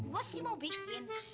gua sih mau bikin